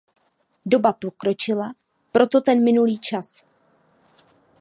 Doba pokročila, proto ten minulý čas.